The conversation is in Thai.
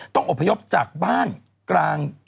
อบพยพจากบ้านกลาง